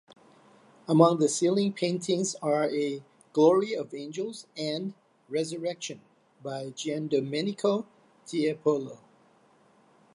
Among the ceiling paintings are a "Glory of Angels" and "Resurrection" by Giandomenico Tiepolo.